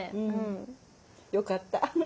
よかった。